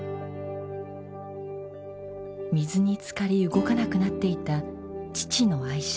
水につかり動かなくなっていた父の愛車。